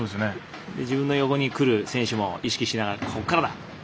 自分の横に来る選手も意識しながらここからだ！